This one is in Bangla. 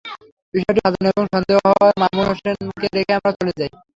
বিষয়টি সাজানো এবং সন্দেহ হওয়ায় মামুন হোসেনকে রেখে আমরা চলে যাই।